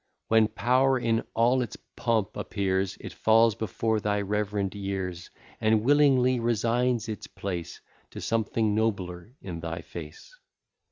When power in all its pomp appears, It falls before thy rev'rend years, And willingly resigns its place To something nobler in thy face.